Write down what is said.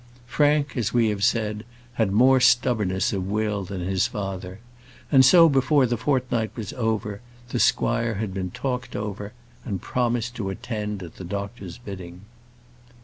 Frank, as we have said, had more stubbornness of will than his father; and so, before the fortnight was over, the squire had been talked over, and promised to attend at the doctor's bidding.